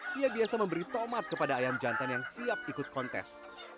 dia biasa memberi tomat kepada ayam jantan yang siap ikut kontes